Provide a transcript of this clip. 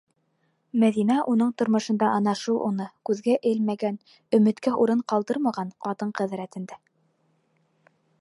Мәҙинә уның тормошонда ана шул уны күҙгә элмәгән, өмөткә урын ҡалдырмаған ҡатын-ҡыҙ рәтендә.